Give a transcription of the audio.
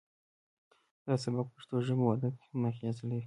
دا سبک په پښتو ژبه او ادب کې هم اغیز لري